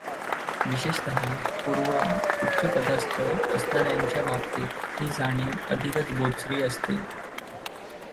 विशेषत: पूर्वी उच्चपदस्थ असणाच्यांच्या बाबतीत ही जाणीव अधिकच बोचरी असते.